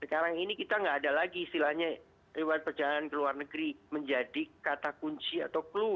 sekarang ini kita nggak ada lagi istilahnya riwayat perjalanan ke luar negeri menjadi kata kunci atau clue